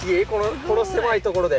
この狭いところで。